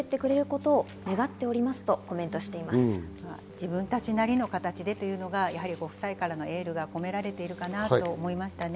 自分たちなりの形でというのがご夫妻からのエールが込められているかなと思いましたね。